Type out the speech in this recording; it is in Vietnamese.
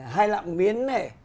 hai lạng miếng này